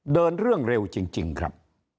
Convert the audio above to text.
เดินเรื่องเร็วจริงครับ